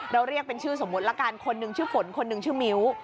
เรียกเป็นชื่อสมมุติละกันคนหนึ่งชื่อฝนคนหนึ่งชื่อมิ้ว